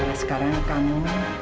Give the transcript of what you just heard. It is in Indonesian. baiklah sekarang kamu